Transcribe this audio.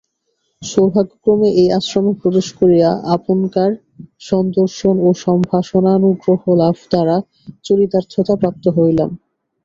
সৌভাগ্যক্রমে এই আশ্রমে প্রবেশ করিয়া আপনকার সন্দর্শন ও সম্ভাষণানুগ্রহ লাভ দ্বারা চরিতার্থতা প্রাপ্ত হইলাম।